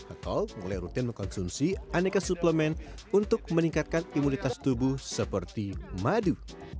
atau mulai rutin mengkonsumsi aneka suplemen untuk meningkatkan imunitas tubuh seperti madu